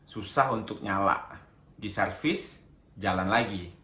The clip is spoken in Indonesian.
susah untuk nyala diservis jalan lagi